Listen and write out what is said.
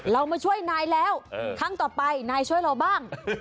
เรามาช่วยนายแล้วครั้งต่อไปนายช่วยเราบ้าง